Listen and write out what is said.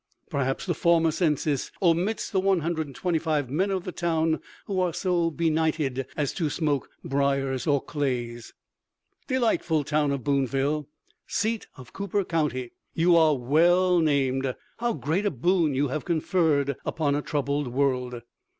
Perhaps the former census omits the 125 men of the town who are so benighted as to smoke briars or clays. Delightful town of Boonville, seat of Cooper County, you are well named. How great a boon you have conferred upon a troubled world!